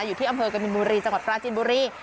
อยู่ที่อำเภอกบินบุรีจังหวัดปราจินบุรี